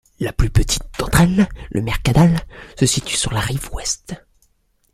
La plus petite d'entre elles, le Mercadal, se situe sur la rive ouest.